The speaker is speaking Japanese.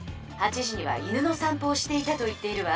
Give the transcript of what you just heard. ８時には犬のさん歩をしていたと言っているわ。